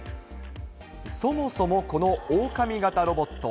そもそもこのオオカミ型ロボット。